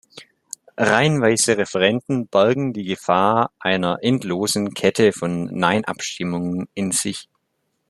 Reihenweise Referenden bergen die Gefahr einer endlosen Kette von Nein-Abstimmungen in sich.